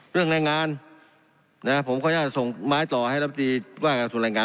เรื่องรายงานผมขออนุญาตส่งไม้ต่อให้รับตีว่ากับส่วนรายงาน